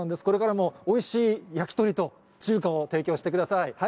これからもおいしい焼き鳥と、中華を提供してください。